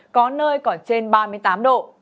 có nơi còn trên ba mươi tám độ